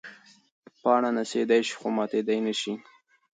پاڼه نڅېدی شي خو ماتېدی نه شي.